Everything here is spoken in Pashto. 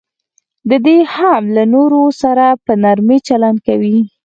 دی دې هم له نورو سره په نرمي چلند کوي.